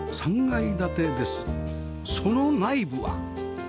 その内部は？